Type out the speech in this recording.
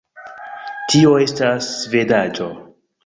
Tio estas svedaĵo